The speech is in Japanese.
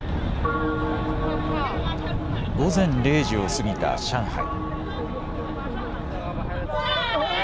午前０時を過ぎた上海。